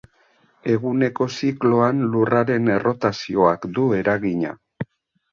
Eguneko zikloan Lurraren errotazioak du eragina.